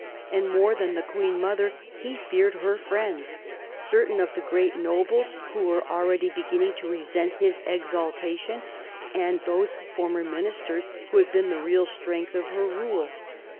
And more than the Queen mother he feared her friends ; certain of the great nobles, who were already beginning to resent his exaltation, and those former minis ters who had been the real strength of her rule.